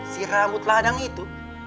si rambut ladang itu